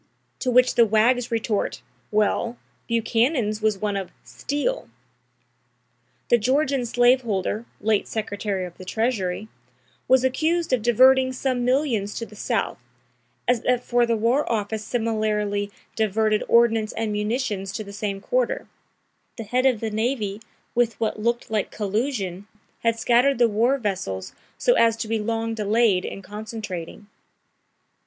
To which the wags retort: 'Well, Buchanan's was one of steal.'" The Georgian slave holder, late secretary of the treasury, was accused of "diverting" some millions to the South, as that for the war office similarly "diverted" ordnance and munitions to the same quarter; the head of the navy, with what "looked" like collusion, had scattered the war vessels so as to be long delayed in concentrating.